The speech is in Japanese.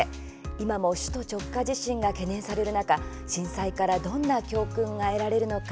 今も首都直下地震が懸念される中震災からどんな教訓が得られるのか。